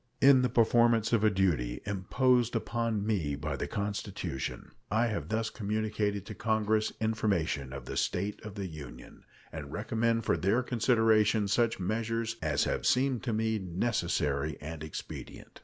In the performance of a duty imposed upon me by the Constitution, I have thus communicated to Congress information of the state of the Union and recommended for their consideration such measures as have seemed to me necessary and expedient.